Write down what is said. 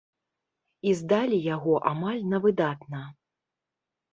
І здалі яго амаль на выдатна.